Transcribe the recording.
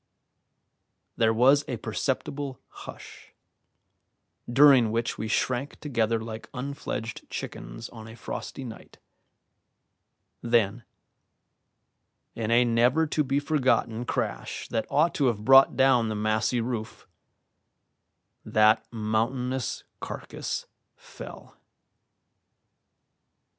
There was a perceptible hush, during which we shrank together like unfledged chickens on a frosty night; then, in a never to be forgotten crash that ought to have brought down the massy roof, that mountainous carcass fell.